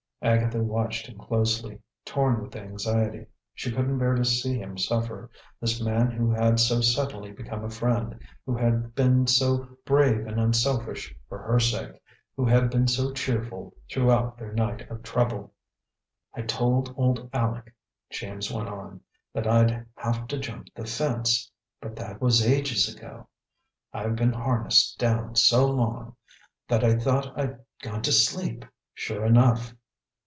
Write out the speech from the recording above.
Agatha watched him closely, torn with anxiety. She couldn't bear to see him suffer this man who had so suddenly become a friend, who had been so brave and unselfish for her sake, who had been so cheerful throughout their night of trouble. "I told old Aleck," James went on, "that I'd have to jump the fence; but that was ages ago. I've been harnessed down so long, that I thought I'd gone to sleep, sure enough."